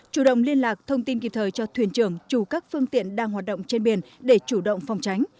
chủ động liên lạc thông tin kịp thời cho thuyền trưởng chủ các phương tiện đang hoạt động trên biển để chủ động phòng tránh